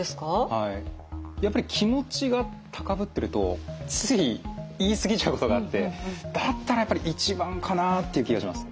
はいやっぱり気持ちが高ぶってるとつい言い過ぎちゃうことがあってだったらやっぱり１番かなっていう気がします。